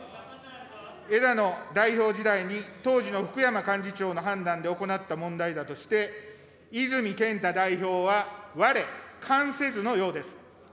枝野代表時代に当時の福山幹事長の判断で行った問題だとして、泉健太代表はわれ関せずのようです。